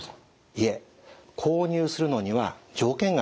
いえ購入するのには条件があります。